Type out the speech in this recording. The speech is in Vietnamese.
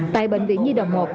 tại bệnh viện nhi đồng một